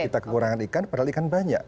kita kekurangan ikan padahal ikan banyak